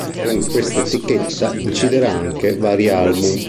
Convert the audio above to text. Con questa etichetta inciderà anche vari album.